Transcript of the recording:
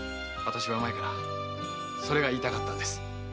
私は前からそれが言いたかったのです。